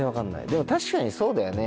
でも確かにそうだよね。